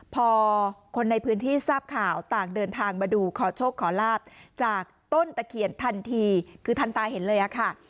พอคนในพื้นที่ทราบข่าวต่างเดินทางมาดูขอโชคขอลาบจากต้นตะเคียนทันทีคือทันตาเห็นเลยอะค่ะ